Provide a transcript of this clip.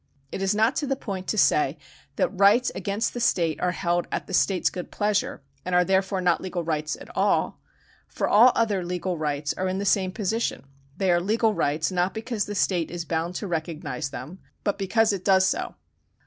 It is not to the point to say that rights against the state are held at the state's good pleasure, and are therefore not legal rights at all ; for all other legal rights are in the same position. They are legal rights not because the state is bound to recognise them, but because it does so.